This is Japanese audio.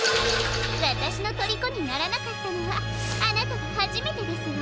わたしのとりこにならなかったのはあなたがはじめてですわ。